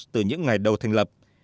từ những ngày đầu thành lập